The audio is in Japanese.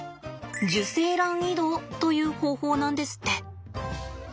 受精卵移動という方法なんですって。